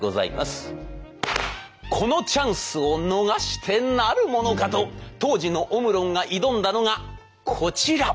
このチャンスを逃してなるものかと当時のオムロンが挑んだのがこちら。